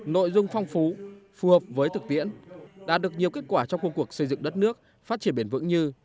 nội dung phong phú phù hợp với thực tiễn đạt được nhiều kết quả trong khuôn cuộc xây dựng đất nước phát triển bền vững như